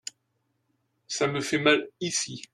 Ça me fait mal ici.